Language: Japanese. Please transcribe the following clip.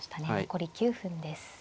残り９分です。